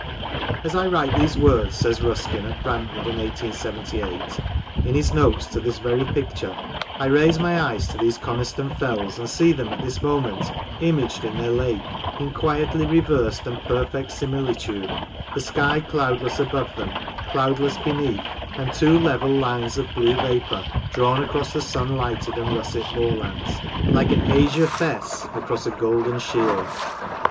" As I write these words," says Ruskin at Brantwood in 1878, in his notes to this very picture, " I raise my eyes to these Coniston fells, and see them at this moment imaged in their lake, in quietly reversed and perfect similitude, the sky cloudless above them, cloud less beneath, and two level lines of blue vapour drawn across the sun lighted and russet moorlands, like an azure fesse across a golden shield."